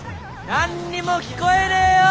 何にも聞こえねえよ！